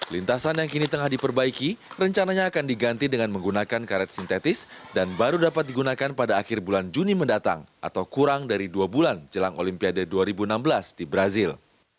lintasan yang kini tengah diperbaiki rencananya akan diganti dengan menggunakan karet sintetis dan baru dapat digunakan pada akhir bulan juni mendatang atau kurang dari dua bulan jelang olimpiade dua ribu enam belas di brazil